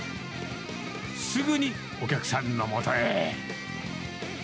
すぐにお客さんのもとへ。